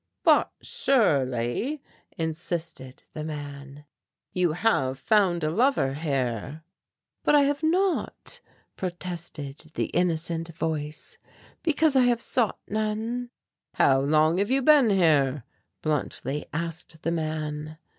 "But surely," insisted the man, "you have found a lover here?" "But I have not," protested the innocent voice, "because I have sought none." "Now long have you been here?" bluntly asked the man.